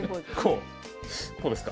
こうこうですか？